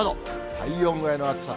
体温超えの暑さ。